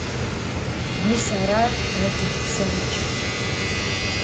Мис арат дэ ди псэукӀэр.